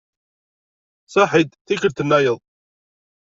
Saḥit tikkelt-nnayeḍ.